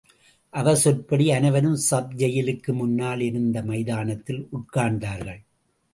அவர் சொற்படி அனைவரும் சப் ஜெயிலுக்கு முன்னால் இருந்த மைதானத்தில் உட்கார்ந்தார்கள்.